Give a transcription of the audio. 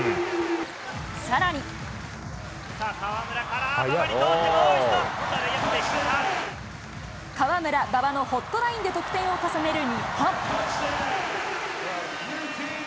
さあ、河村から、河村、馬場のホットラインで得点を重ねる日本。